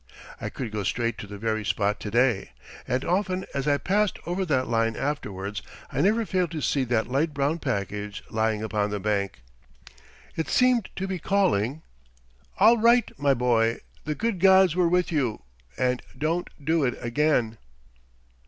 I could go straight to the very spot to day, and often as I passed over that line afterwards I never failed to see that light brown package lying upon the bank. It seemed to be calling: "All right, my boy! the good gods were with you, but don't do it again!"